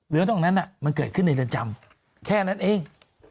เรื่องตรงนั้นมันเกิดขึ้นในเรือนจำแค่นั้นเอง